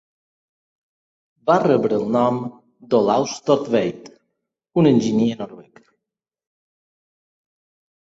Va rebre el nom d"Olaus Thortveit, un enginyer noruec.